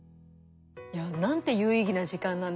いやなんて有意義な時間なんでしょう。